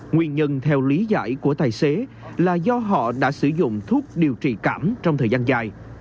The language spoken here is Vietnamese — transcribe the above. nguyên nhân theo lý giải của tài xế là do họ đã sử dụng thuốc điều trị cảm trong thời gian dài